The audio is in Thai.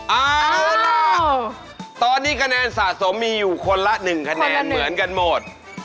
เอาล่ะตอนนี้คะแนนสะสมมีอยู่คนละ๑คะแนนเหมือนกันหมด